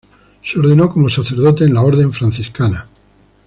Se ordenó como sacerdote en la Orden Franciscana.